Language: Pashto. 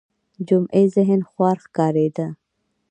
جمعي ذهن خوار ښکارېده